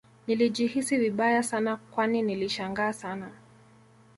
Nilijihisi vibaya Sana Kwani nilishangaa Sana